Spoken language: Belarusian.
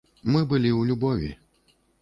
Мы былі ў любові.